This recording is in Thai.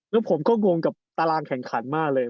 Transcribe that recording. แล้วผมก็งงกับตารางแข่งขันมากเลย